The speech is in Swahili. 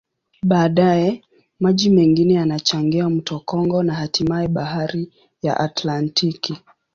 Baadaye, maji mengine yanachangia mto Kongo na hatimaye Bahari ya Atlantiki.